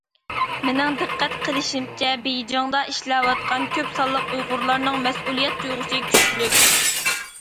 مېنىڭ دىققەت قىلىشىمچە، بېيجىڭدا ئىشلەۋاتقان كۆپ سانلىق ئۇيغۇرلارنىڭ مەسئۇلىيەت تۇيغۇسى كۈچلۈك.